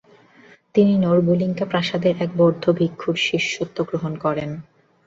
তিনি নোরবুলিংকা প্রাসাদের এক বৌদ্ধ ভিক্ষুর শিষ্যত্ব গ্রহণ করেন।